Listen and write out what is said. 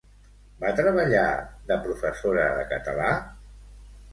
Va treballar de professora de català?